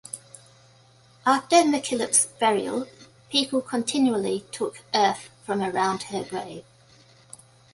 After MacKillop's burial, people continually took earth from around her grave.